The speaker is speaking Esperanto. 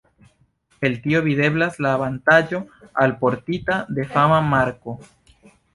El tio videblas la avantaĝo alportita de fama marko.